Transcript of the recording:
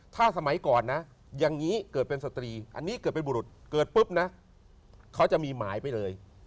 ถ้าสมัยก่อนนะอย่างนี้เกิดเป็นสตรีอันนี้เกิดเป็นบุรุษเกิดปุ๊บนะเขาจะมีหมายไปเลย